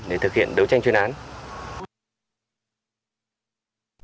để thực hiện đối tượng lợi dụng địa hình trốn thoát và để tránh thương vong